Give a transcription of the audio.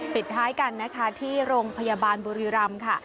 ปิดท้ายกันนะคะที่โรงพยาบาลบุรีรำค่ะ